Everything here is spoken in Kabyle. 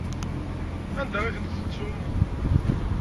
Anda i ten-tettum?